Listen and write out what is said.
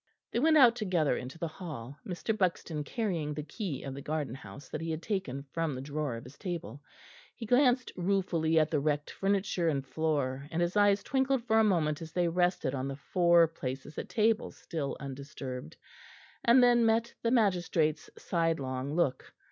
They went out together into the hall, Mr. Buxton carrying the key of the garden house that he had taken from the drawer of his table; he glanced ruefully at the wrecked furniture and floor, and his eyes twinkled for a moment as they rested on the four places at table still undisturbed, and then met the magistrate's sidelong look.